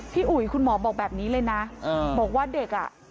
อุ๋ยคุณหมอบอกแบบนี้เลยนะบอกว่าเด็กอ่ะ